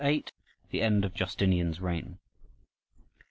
VIII. THE END OF JUSTINIAN'S REIGN.